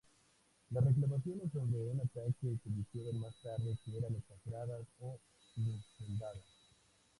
Las reclamaciones sobre un ataque se dijeron más tarde que eran exageradas o infundadas.